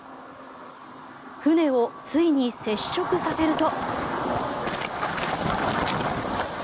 船をついに接触させると。